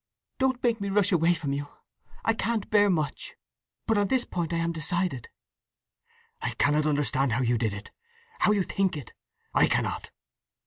"Don't make me rush away from you—I can't bear much! But on this point I am decided." "I cannot understand how you did it—how you think it—I cannot!"